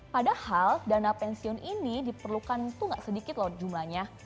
padahal dana pensiun ini diperlukan itu nggak sedikit loh jumlahnya